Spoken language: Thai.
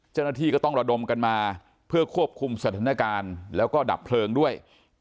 เจ้าหน้าที่ก็ต้องระดมกันมาเพื่อควบคุมสถานการณ์แล้วก็ดับเพลิงด้วย